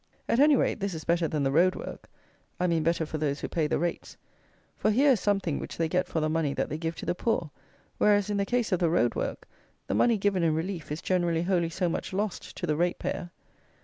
At any rate, this is better than the road work: I mean better for those who pay the rates; for here is something which they get for the money that they give to the poor; whereas, in the case of the road work, the money given in relief is generally wholly so much lost to the rate payer.